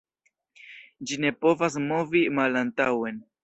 Ĝi ne povas movi malantaŭen.